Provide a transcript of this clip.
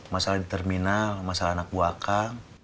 masalah di terminal masalah anak buah kapal